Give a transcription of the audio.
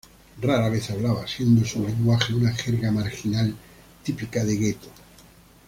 Rara vez hablaba, siendo su lenguaje una jerga marginal, típica de gueto.